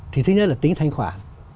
thì thứ nhất là tính thanh khoản